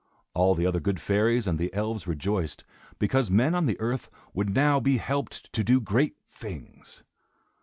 All the other good fairies and the elves rejoiced, because men on the earth would now be helped to do great things.